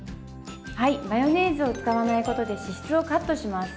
はいマヨネーズを使わないことで脂質をカットします。